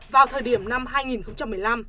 vào thời điểm năm hai nghìn một mươi năm